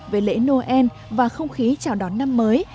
về lễ noel và không khí chào đón năm mới